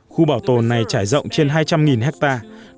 khu bảo tồn này trải rộng trên hai trăm linh hectare